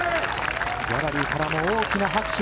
ギャラリーからも大きな拍手。